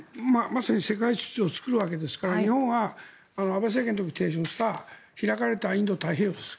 まさに世界秩序を作るわけですから日本は安倍政権の時に提唱した開かれたインド太平洋です。